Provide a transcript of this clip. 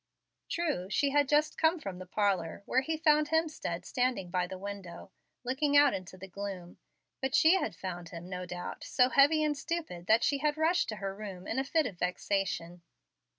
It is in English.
True, she had just come from the parlor, where he found Hemstead standing by the window, looking out into the gloom, but she had found him, no doubt, so heavy and stupid that she had rushed to her room in a fit of vexation.